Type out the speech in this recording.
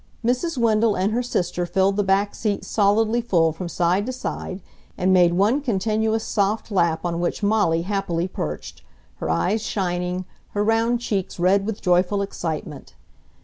Mrs. Wendell and her sister filled the back seat solidly full from side to side and made one continuous soft lap on which Molly happily perched, her eyes shining, her round cheeks red with joyful excitement.